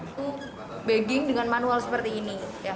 itu bagging dengan manual seperti ini